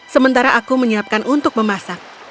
sementara aku menyiapkan untuk memasak